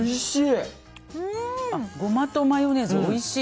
ゴマとマヨネーズ、おいしい。